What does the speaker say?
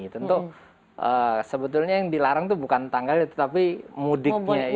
tentu sebetulnya yang dilarang itu bukan tanggal itu tapi modiknya itu